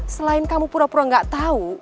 selain kamu pura pura gak tahu